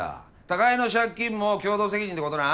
互いの借金も共同責任ってことな。